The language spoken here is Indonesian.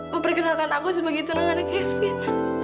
meperkenalkan aku sebagai tunangan kevin